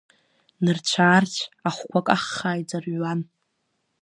Нырцә-аарцә ахәқәа каххаа иӡырҩуан.